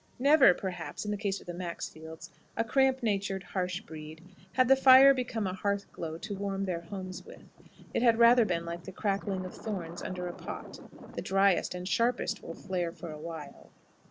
Never, perhaps, in the case of the Maxfields a cramp natured, harsh breed had the fire become a hearth glow to warm their homes with. It had rather been like the crackling of thorns under a pot. The dryest and sharpest will flare for a while.